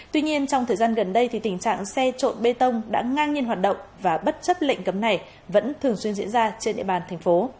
tuy nhiên trong thời gian gần đây tình trạng xe trộn bê tông đã ngang nhiên hoạt động và bất chấp lệnh cấm này vẫn thường xuyên diễn ra trên địa bàn thành phố